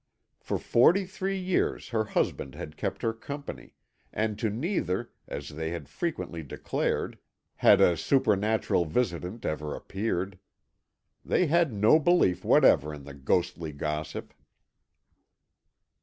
For forty three years her husband had kept her company, and to neither, as they had frequently declared, had a supernatural visitant ever appeared. They had no belief whatever in the ghostly gossip.